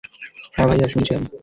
হ্যাঁ ভাইয়া, শুনেছি আমি।